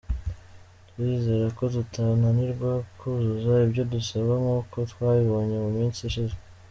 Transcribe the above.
Turizera ko tutananirwa kuzuza ibyo dusabwa nkuko twabibonye mu minsi ishize.